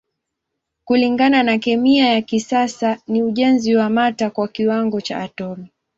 Kulingana na kemia ya kisasa ni ujenzi wa mata kwa kiwango cha atomi.